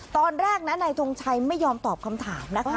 ตอนแรกนะนายทงชัยไม่ยอมตอบคำถามนะคะ